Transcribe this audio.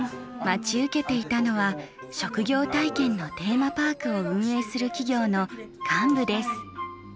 待ち受けていたのは職業体験のテーマパークを運営する企業の幹部です。